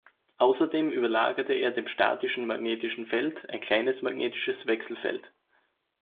Außerdem überlagerte er dem statischen magnetischen Feld ein kleines magnetisches Wechselfeld.